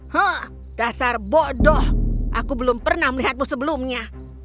hah dasar bodoh aku belum pernah melihatmu sebelumnya